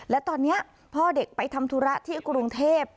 และตอนนี้พ่อเด็กไปทำธุระที่กรุงเทพ